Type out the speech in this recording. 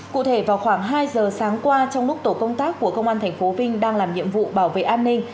cụ thể vào khoảng hai giờ sáng qua trong lúc tổ công tác của công an tp vinh đang làm nhiệm vụ bảo vệ an ninh